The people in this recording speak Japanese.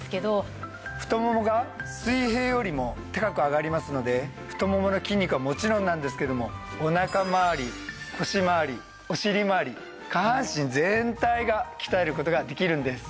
太ももが水平よりも高く上がりますので太ももの筋肉はもちろんなんですけどもお腹まわり腰まわりお尻まわり下半身全体が鍛える事ができるんです。